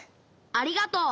ありがとう。